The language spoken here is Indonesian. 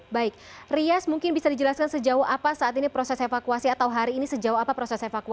baik rias mungkin bisa dijelaskan sejauh apa saat ini proses evakuasi atau hari ini sejauh apa proses evakuasi